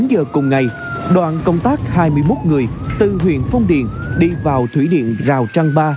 một mươi bốn h cùng ngày đoàn công tác hai mươi một người từ huyện phong điền đi vào thủy điện rào trang ba